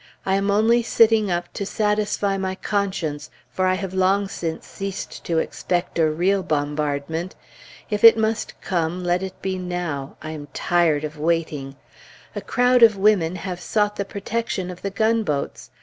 I am only sitting up to satisfy my conscience, for I have long since ceased to expect a real bombardment. If it must come, let it be now; I am tired of waiting. A crowd of women have sought the protection of the gunboats.